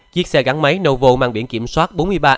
chiếc xe gắn máy nouveau mang biển kiểm soát